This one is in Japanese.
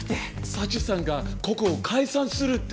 佐知さんがここを解散するって。